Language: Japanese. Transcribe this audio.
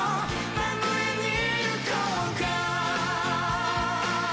殴りに行こうか